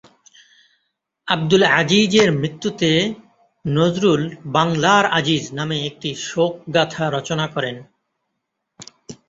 আবদুল আজীজের মৃত্যুতে নজরুল ‘বাংলার আজীজ’ নামে একটি শোকগাথা রচনা করেন।